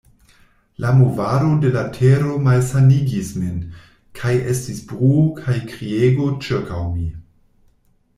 La movado de la tero malsanigis min, kaj estis bruo kaj kriego ĉirkaŭ mi.